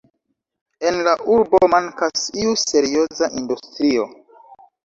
En la urbo mankas iu serioza industrio.